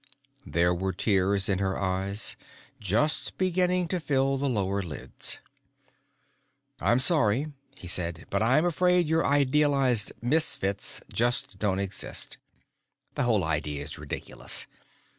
There were tears in her eyes, just beginning to fill the lower lids. "I'm sorry," he said, "but I'm afraid your idealized Misfits just don't exist. The whole idea is ridiculous.